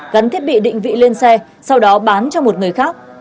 gắn thiết bị định vị lên xe sau đó bán cho một người khác